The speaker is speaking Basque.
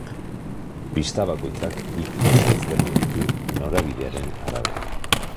Pista bakoitzak bi kode ezberdin ditu norabidearen arabera.